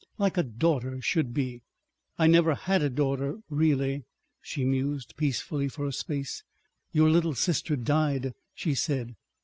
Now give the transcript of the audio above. Like a daughter should be. ... I never had a daughter—really." She mused peacefully for a space. "Your little sister died," she said.